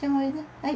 はい。